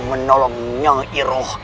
menolong nyai roh